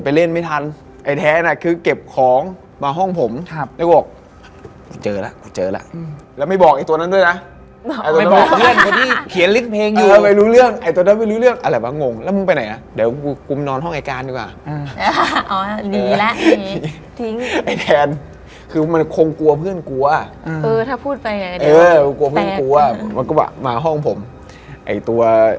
เป็นโค้งอย่างนี้นะ